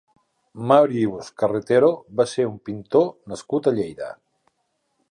Màrius Carretero va ser un pintor nascut a Lleida.